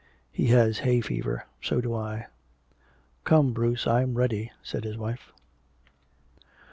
He has hay fever so do I." "Come, Bruce, I'm ready," said his wife.